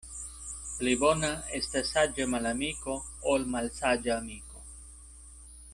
Pli bona estas saĝa malamiko, ol malsaĝa amiko.